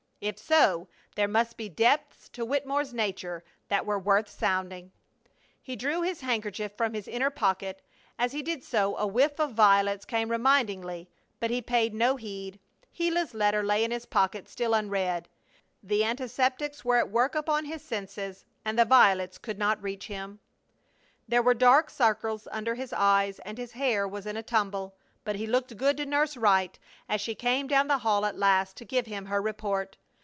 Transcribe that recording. If so, there must be depths to Wittemore's nature that were worth sounding. He drew his handkerchief from his inner pocket, and as he did so a whiff of violets came remindingly, but he paid no heed. Gila's letter lay in his pocket, still unread. The antiseptics were at work upon his senses and the violets could not reach him. There were dark circles under his eyes, and his hair was in a tumble, but he looked good to Nurse Wright as she came down the hall at last to give him her report.